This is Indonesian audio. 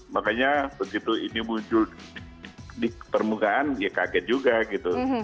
makanya begitu ini muncul di permukaan ya kaget juga gitu